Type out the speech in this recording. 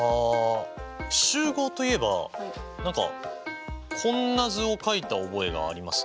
集合といえば何かこんな図を描いた覚えがありますね。